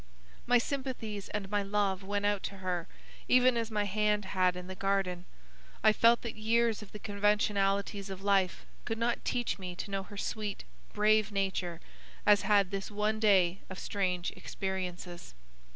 My sympathies and my love went out to her, even as my hand had in the garden. I felt that years of the conventionalities of life could not teach me to know her sweet, brave nature as had this one day of strange experiences.